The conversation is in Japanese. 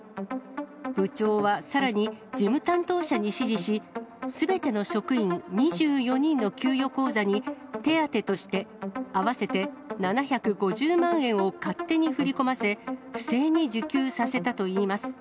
部長はさらに、事務担当者に指示し、すべての職員２４人の給与口座に、手当として合わせて７５０万円を勝手に振り込ませ、不正に受給させたといいます。